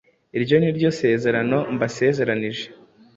Iryo ni ryo sezerano mbasezeranije,